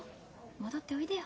戻っておいでよ。